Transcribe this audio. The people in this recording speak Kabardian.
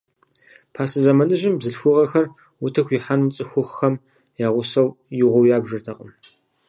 Пасэ зэманыжьым бзылъхугъэхэр утыку ихьэну цӀыхухъухэм я гъусэу игъуэу ябжыртэкъым.